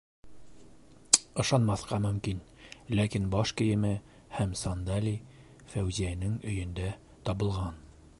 Ышанмаҫҡа мөмкин, ләкин баш кейеме һәм сандали Фәүзиәнен өйөндә табылған!